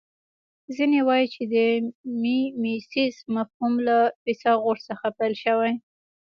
ځینې وايي چې د میمیسیس مفهوم له فیثاغورث څخه پیل شوی